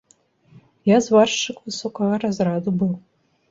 Я зваршчык высокага разраду быў.